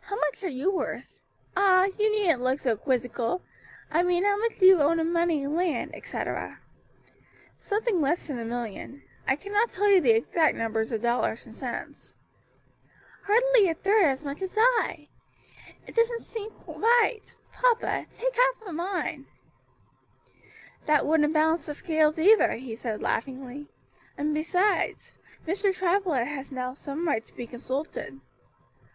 "How much are you worth? Ah! you needn't look so quizzical. I mean how much do you own in money, land, etc.?" "Something less than a million; I cannot tell you the exact number of dollars and cents." "Hardly a third as much as I! It doesn't seem right. Papa, take half of mine." "That wouldn't balance the scales either," he said laughingly; "and besides, Mr. Travilla has now some right to be consulted."